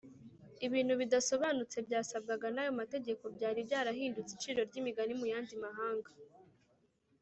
. Ibintu bidasobanutse byasabwagwa n’ayo mategeko byari byarahindutse iciro ry’imigani mu yandi mahanga